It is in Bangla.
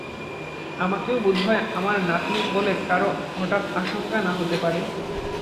আমাকেও বোধ হয় আমার নাতনী বলে কারো হঠাৎ আশঙ্কা না হতে পারে।